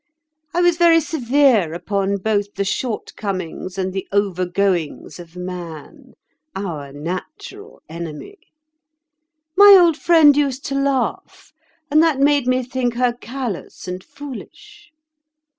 I was very severe upon both the shortcomings and the overgoings of man—our natural enemy. My old friend used to laugh, and that made me think her callous and foolish.